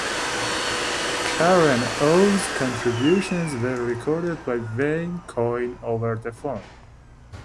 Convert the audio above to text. Karen O's contributions were recorded by Wayne Coyne over the phone.